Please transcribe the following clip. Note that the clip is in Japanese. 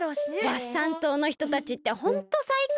ワッサン島のひとたちってホントさいこう！